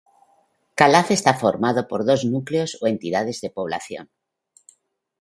Calaf está formado por dos núcleos o entidades de población.